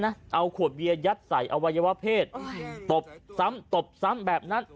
เอาขวดเบียร์ยัดใส่อวัยวะเพศตบซ้ำตบซ้ำแบบนั้น